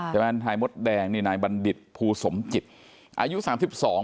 ทนายมดแดงนี่นายบัณฑิตภูสมจิตอายุสามสิบสอง